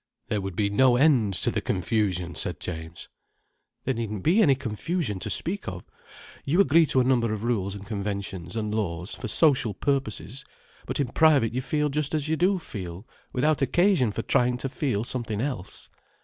"There would be no end to the confusion," said James. "There needn't be any confusion to speak of. You agree to a number of rules and conventions and laws, for social purposes. But in private you feel just as you do feel, without occasion for trying to feel something else."